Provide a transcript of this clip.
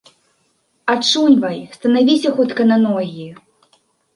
Ачуньвай, станавіся хутка на ногі.